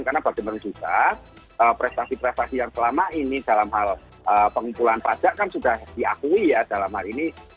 karena bagaimana juga prestasi prestasi yang selama ini dalam hal pengumpulan pajak kan sudah diakui ya dalam hal ini